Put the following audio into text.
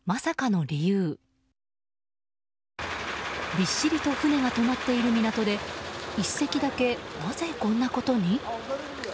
びっしりと船が止まっている港で１隻だけ、なぜこんなことに？